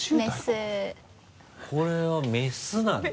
これはメスなんだ。